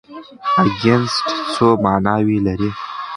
اکسنټ څو ماناوې لري؟